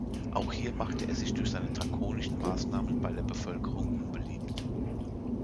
Auch hier machte er sich durch seine drakonischen Maßnahmen bei der Bevölkerung unbeliebt.